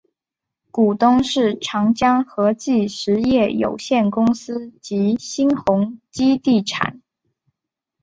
股东是长江和记实业有限公司及新鸿基地产。